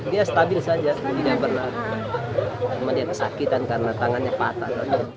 dia stabil saja dia tidak pernah terlalu sakit karena tangannya patah